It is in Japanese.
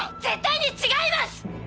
絶対にちがいます。